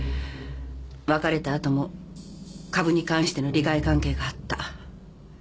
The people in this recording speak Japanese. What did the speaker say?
別れた後も株に関しての利害関係があった。